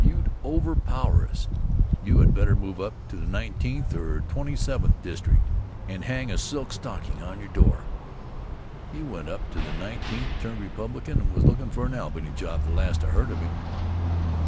You'd overpower us. You had better move up to the Nineteenth or Twenty seventh District, and hang a silk stocking on your door." He went up to the Nineteenth, turned Republican, and was lookin' for an Albany job the last I heard of him.